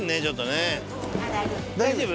大丈夫？